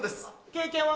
経験は？